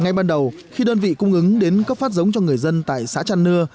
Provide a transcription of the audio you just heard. ngay ban đầu khi đơn vị cung ứng đến cấp phát giống cho người dân tại xã trăn nưa